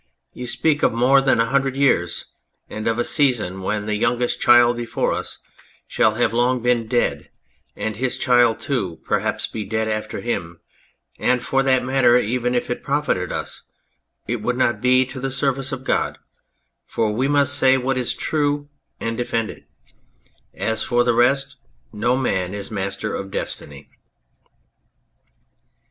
You speak of more than a hundred years, and of a season when the youngest child before us shall have long been dead, and his child, too, perhaps be dead after him ; and for that matter, even if it profited us, it would not be to the service of God, for we must say what is true and defend it. As for the rest, no man is master of destiny."